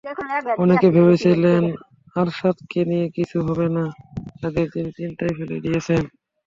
অনেকে ভেবেছিলেন, আরশাদকে দিয়ে কিছু হবে না, তাদের তিনি চিন্তায় ফেলে দিয়েছেন।